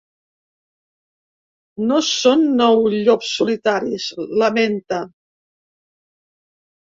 No són nou llops solitaris, lamenta.